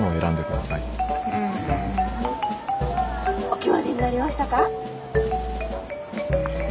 お決まりになりましたか？